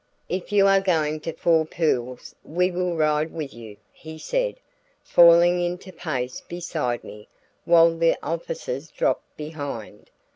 "If you are going to Four Pools we will ride with you," he said, falling into pace beside me while the officers dropped behind.